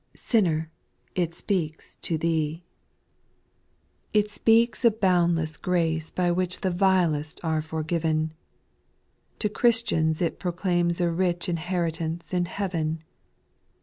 It speaks of boundless grace by which The vilest are forgiven ; To Christians it proclaims a rich Inheritance in heaven.